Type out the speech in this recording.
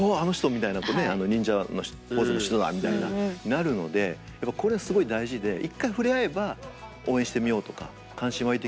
みたいな「あの忍者のポーズの人だ」みたいななるのでこれすごい大事で一回触れ合えば応援してみようとか関心湧いてきますし。